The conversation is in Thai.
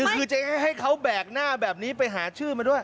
คือจะให้เขาแบกหน้าแบบนี้ไปหาชื่อมาด้วย